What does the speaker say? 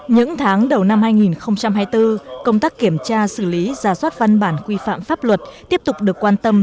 những tháng đầu năm hai nghìn hai mươi bốn công tác kiểm tra xử lý giả soát văn bản quy phạm pháp luật tiếp tục được quan tâm